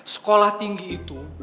sekolah tinggi itu